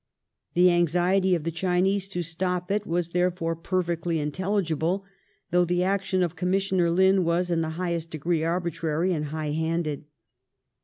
The anxiety of the Chinese to stop it was, therefore, perfectly intelligible, though the action of Commissioner Lin was in the highest degree arbitrary and high handed.